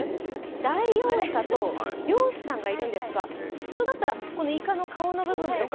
ダイオウイカと漁師さんがいるんですが、普通だったらイカの部分とか